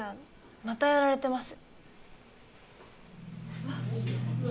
またやられてます。